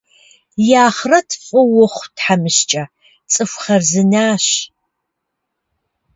И ахърэт фӏы ухъу, тхьэмыщкӏэ, цӏыху хъарзынащ.